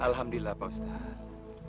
alhamdulillah pak ustadz